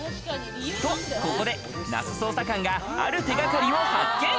ここで那須捜査官がある手掛かりを発見。